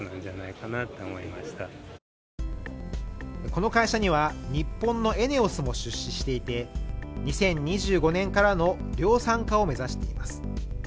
この会社には日本のエネオスも出資していて２０２５年からの量産化を目指しています